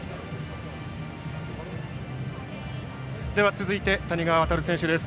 続いて谷川航選手です。